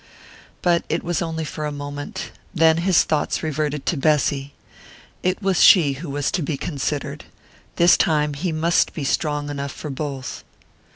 But it was only for a moment; then his thoughts reverted to Bessy. It was she who was to be considered this time he must be strong enough for both.